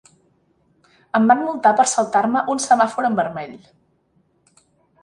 Em van multar per saltar-me un semàfor en vermell.